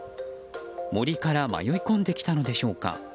森から迷い込んできたのでしょうか。